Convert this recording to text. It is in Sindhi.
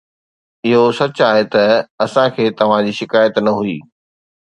اهو سچ آهي ته اسان کي توهان جي شڪايت نه هئي